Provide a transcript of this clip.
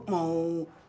bicara dengan aditya